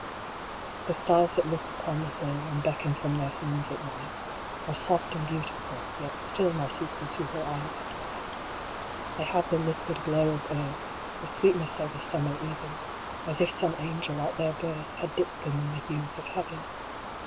The stars that look upon the hill, And beckon from their homes at night, Are soft and beautiful, yet still Not equal to her eyes of light They have the liquid glow of earth, The sweetness of a summer even, As if some Angel at their birth Had dipped them in the hues of Heaven.